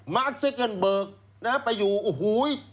มาร์คเซคเกิ้ลเบิร์กไปอยู่โอ้โห